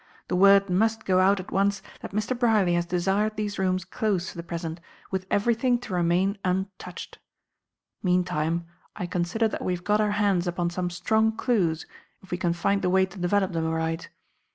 The word must go out at once that Mr. Brierly has desired these rooms closed for the present, with everything to remain untouched. Meantime I consider that we have got our hands upon some strong clues, if we can find the way to develop them aright.